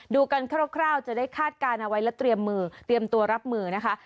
ดูกันคร่าวจะได้คาดการณ์เอาไว้และเตรียมมือเตรียมตัวรับมือนะคะ